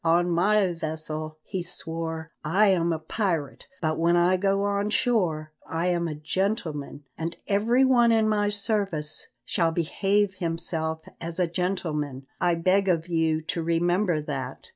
"On my vessel," he swore, "I am a pirate, but when I go on shore I am a gentleman, and every one in my service shall behave himself as a gentleman. I beg of you to remember that."